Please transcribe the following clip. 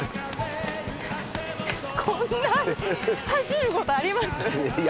こんな走ることあります？